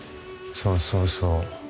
そうそうそう。